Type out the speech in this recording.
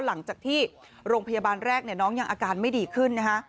หลังจากที่โรงพยาบาลแรกน้องยังอาการไม่ดีขึ้นนะฮะ